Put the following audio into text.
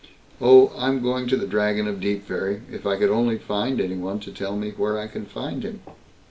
"Oh, I'm going to the Dragon of Deepferry, if I could only find any one to tell where I can find him."